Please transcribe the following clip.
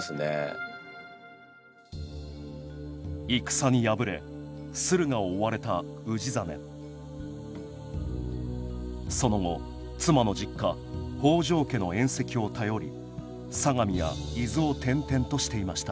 戦に敗れ駿河を追われた氏真その後妻の実家北条家の縁戚を頼り相模や伊豆を転々としていました。